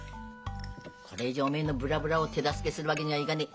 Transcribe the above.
これ以上おめえのブラブラを手助けするわけにはいがねえ。